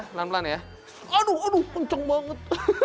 pelan pelan ya aduh pelan punceng banget